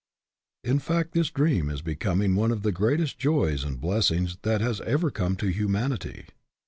In fact this dream is becom ing one of the greatest joys and blessings that has ever come to humanity.